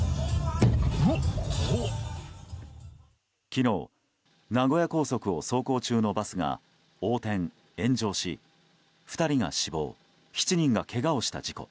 昨日、名古屋高速を走行中のバスが、横転・炎上し２人が死亡７人がけがをした事故。